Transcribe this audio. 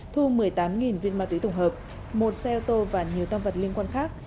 thu một mươi tám viên ma túy tổng hợp một xe ô tô và nhiều tam vật liên quan khác